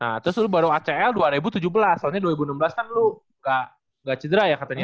nah terus lo baru acl dua ribu tujuh belas soalnya dua ribu enam belas kan lo gak cedera ya katanya